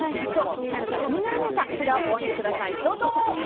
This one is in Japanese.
気になるか気にならないか札をお上げください。